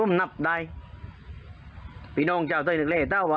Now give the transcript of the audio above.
นโลกก็อยู่ง่ายก่อน